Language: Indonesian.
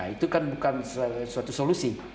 itu kan bukan suatu solusi